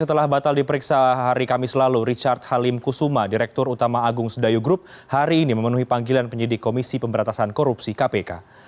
setelah batal diperiksa hari kamis lalu richard halim kusuma direktur utama agung sedayu group hari ini memenuhi panggilan penyidik komisi pemberatasan korupsi kpk